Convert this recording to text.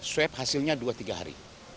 swab hasilnya dua tiga hari